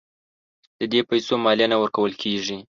د دې پیسو مالیه نه ورکول کیږي.